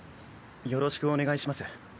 よろしくお願いします。